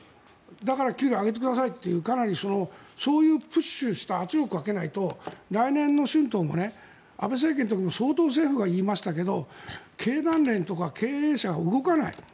だから給料を上げてくださいというかなり、そういうプッシュした圧力をかけないと来年の春闘も安倍政権の時も相当、政府が言いましたけど経団連とか経営者は動かない。